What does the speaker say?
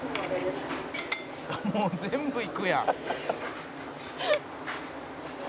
「もう全部いくやん」